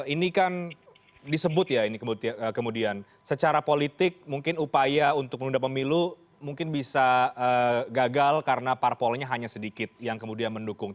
ini kan disebut ya ini kemudian secara politik mungkin upaya untuk menunda pemilu mungkin bisa gagal karena parpolnya hanya sedikit yang kemudian mendukung